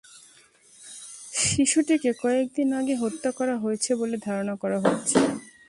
শিশুটিকে কয়েক দিন আগে হত্যা করা হয়েছে বলে ধারণা করা হচ্ছে।